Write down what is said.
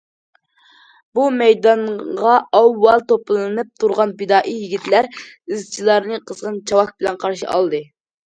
بۇ مەيدانغا ئاۋۋال توپلىنىپ تۇرغان پىدائىي يىگىتلەر- ئىزچىلارنى قىزغىن چاۋاك بىلەن قارشى ئالدى.